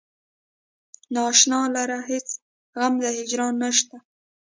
نا اشنا لره هیڅ غم د هجر نشته.